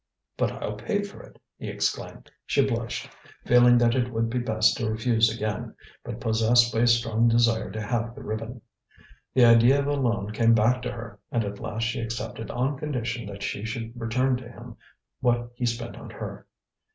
"But I'll pay for it," he exclaimed. She blushed, feeling that it would be best to refuse again, but possessed by a strong desire to have the ribbon. The idea of a loan came back to her, and at last she accepted on condition that she should return to him what he spent on her.